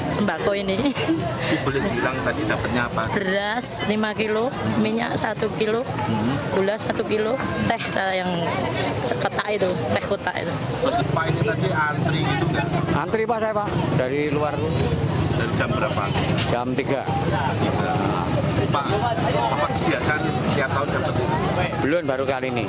seketak itu teh kota itu